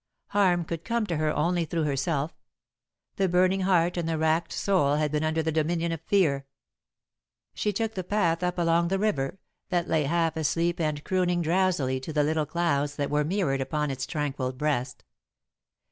Harm could come to her only through herself; the burning heart and the racked soul had been under the dominion of Fear. She took the path up along the river, that lay half asleep and crooning drowsily to the little clouds that were mirrored upon its tranquil breast.